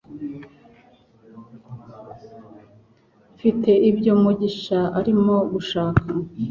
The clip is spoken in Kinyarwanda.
Mfite ibyo mugisha arimo gushaka